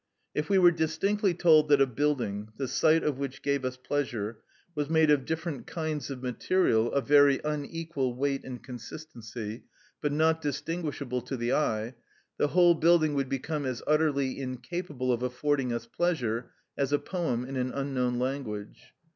If we were distinctly told that a building, the sight of which gave us pleasure, was made of different kinds of material of very unequal weight and consistency, but not distinguishable to the eye, the whole building would become as utterly incapable of affording us pleasure as a poem in an unknown language.